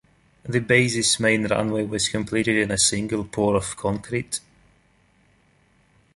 The base's main runway was completed in a single pour of concrete.